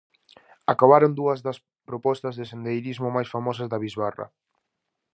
Acabaron dúas das propostas de sendeirismo máis famosas da bisbarra.